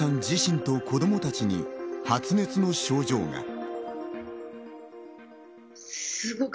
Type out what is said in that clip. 自身と子供たちに発熱の症状が。